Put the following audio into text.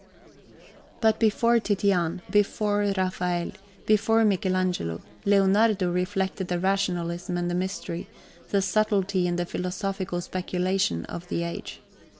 But before Titian, before Raphael, before Michelangelo, Leonardo reflected the rationalism and the mystery, the subtlety and the philosophical speculation, of the age.